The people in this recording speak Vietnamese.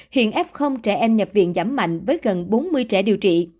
hiện f trẻ em nhập viện giảm mạnh với gần bốn mươi trẻ điều trị